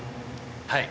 はい。